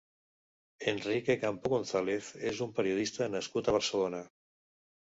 Enrique Campo González és un periodista nascut a Barcelona.